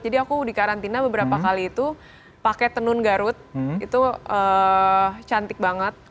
aku di karantina beberapa kali itu pakai tenun garut itu cantik banget